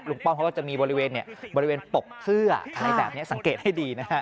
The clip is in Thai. ลุงป้อมเขาก็จะมีบริเวณปกเสื้อถ่ายแบบนี้สังเกตให้ดีนะฮะ